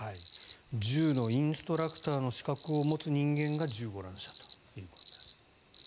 銃のインストラクターの資格を持つ人間が銃を乱射ということです。